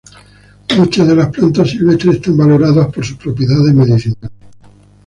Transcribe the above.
Muchas de las plantas silvestres son valoradas por sus propiedades medicinales.